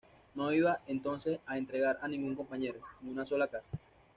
No iba, entonces, a entregar a ningún compañero, ni una sola casa.